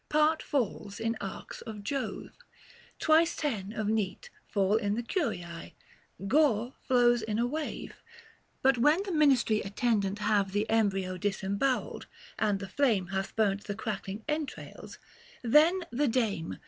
Part falls in arx of Jove. Twice ten of neat Fall in the Curiae ; gore flows in a wave. But when the ministry attendant have The embryo disemboweled, and the flame 730 Hath burnt the crackling entrails ; then the Dame.